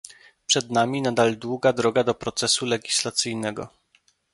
Przed nami nadal długa droga do procesu legislacyjnego